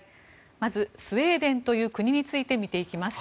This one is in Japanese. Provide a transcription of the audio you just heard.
まずスウェーデンという国について見ていきます。